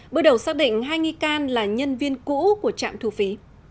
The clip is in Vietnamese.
bước đầu xác định hai nghi can là nhân viên cũ của trạm thu phí